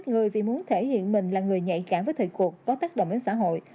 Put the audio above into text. những người nhạy cản với thời cuộc có tác động đến xã hội